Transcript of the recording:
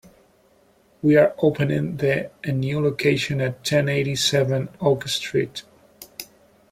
We are opening the a new location at ten eighty-seven Oak Street.